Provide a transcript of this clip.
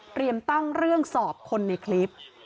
เปรียบตั้งเรื่องสอบคนในคลิป